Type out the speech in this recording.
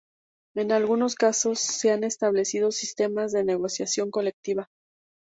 En algunos casos se han establecido sistemas de negociación colectiva.